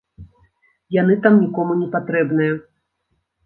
Яны там нікому не патрэбныя.